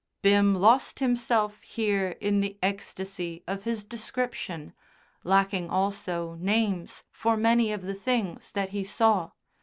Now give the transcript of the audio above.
Bim lost himself here in the ecstasy of his description, lacking also names for many of the things that he saw.